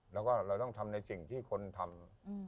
แล้วก็เราต้องทำในสิ่งที่คนทำ